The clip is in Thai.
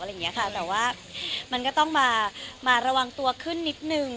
อะไรอย่างนี้ค่ะแต่ว่ามันก็ต้องมาระวังตัวขึ้นนิดนึง